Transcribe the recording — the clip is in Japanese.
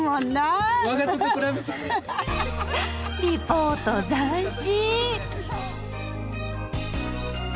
リポート斬新！